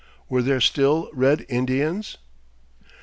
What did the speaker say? (Were there still Red Indians?)